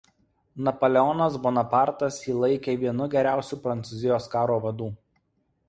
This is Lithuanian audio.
Napoleonas Bonapartas jį laikė vienu geriausių Prancūzijos karo vadų.